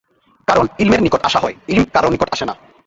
কারণ ইলমের নিকট আসা হয়, ইলম কারো নিকট আসে না।